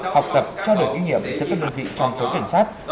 học tập trao đổi kinh nghiệm giữa các đơn vị trong khối cảnh sát